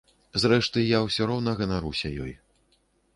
Зрэшты, я ўсё роўна ганаруся ёй.